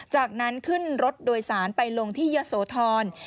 จากนั้นขึ้นรถโดยสารไปลงที่เยอะโสธร